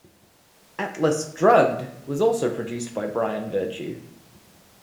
Atlas Drugged was also produced by Brian Virtue.